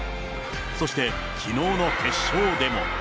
そして、きのうの決勝でも。